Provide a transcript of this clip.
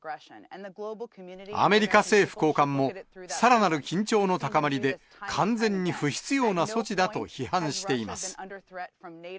アメリカ政府高官も、さらなる緊張の高まりで、完全に不必要な措置だと批判しています。